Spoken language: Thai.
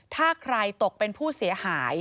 ถ้าใครตกเป็นผู้เสียหาย